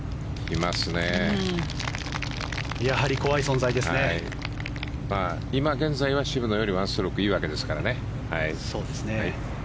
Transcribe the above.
今現在は渋野より１ストロークいいわけですからね。